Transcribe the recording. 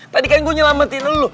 tadi kan gua nyelametin lu